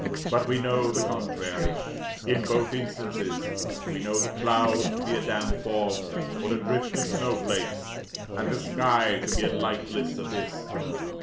But we know the contrary, in both instances; we know the cloud to be a damp fog, or a drift of snow flakes; and the sky to be a lightless abyss.